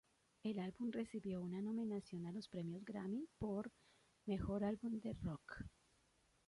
El álbum recibió una nominación a los Premios Grammy por "Mejor Álbum de Rock".